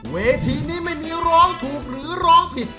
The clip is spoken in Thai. เวทีนี้ไม่มีร้องถูกหรือร้องผิด